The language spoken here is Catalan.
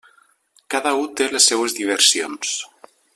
Cada u té les seues diversions.